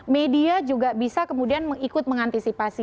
media juga bisa kemudian ikut mengantisipasi